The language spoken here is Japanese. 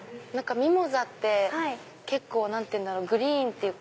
ミモザって結構何て言うんだろグリーンっていうか。